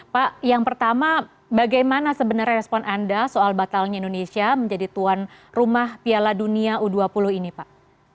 pak yang pertama bagaimana sebenarnya respon anda soal batalnya indonesia menjadi tuan rumah piala dunia u dua puluh ini pak